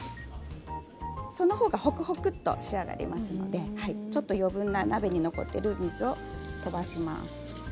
そのほうがホクホクと仕上がりますのでちょっと余分な鍋に残っている水を飛ばします。